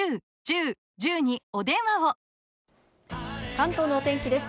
関東のお天気です。